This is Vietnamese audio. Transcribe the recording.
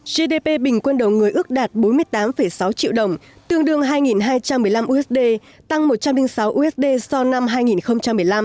gdp bình quân đầu người ước đạt bốn mươi tám sáu triệu đồng tương đương hai hai trăm một mươi năm usd tăng một trăm linh sáu usd so năm hai nghìn một mươi năm